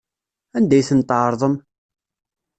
Anda ay tent-tɛerḍem?